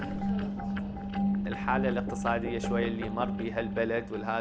kepada kesehatan yang berlalu di irak harga medisnya menjadi mahal dan mahal